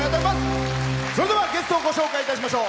それではゲストをご紹介いたしましょう。